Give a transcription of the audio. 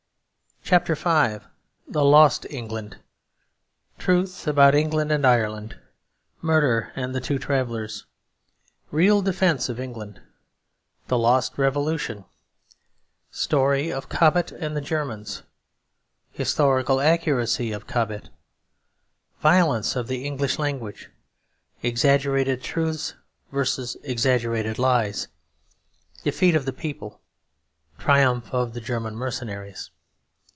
CHAPTER V THE LOST ENGLAND Truth about England and Ireland Murder and the Two Travellers Real Defence of England The Lost Revolution Story of Cobbett and the Germans Historical Accuracy of Cobbett Violence of the English Language Exaggerated Truths versus Exaggerated Lies Defeat of the People Triumph of the German Mercenaries.